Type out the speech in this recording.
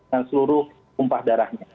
dan seluruh kumpah darahnya